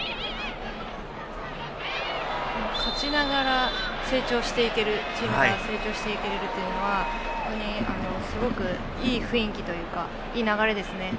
勝ちながらチームが成長していけるというのはすごくいい雰囲気というかいい流れですね。